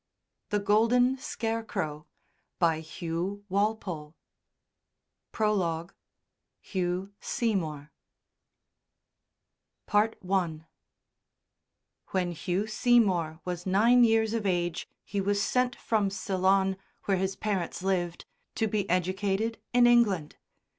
YOUNG JOHN SCARLET 256 EPILOGUE 274 PROLOGUE HUGH SEYMOUR I When Hugh Seymour was nine years of age he was sent from Ceylon, where his parents lived, to be educated in England.